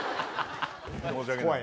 申し訳ない。